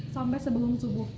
sampai sebelum subuh